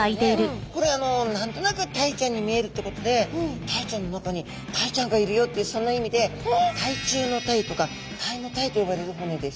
これ何となくタイちゃんに見えるってことでタイちゃんの中にタイちゃんがいるよってそんな意味で鯛中鯛とか鯛の鯛と呼ばれる骨です。